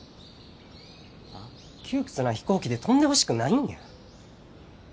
窮屈な飛行機で飛んでほしくないんや。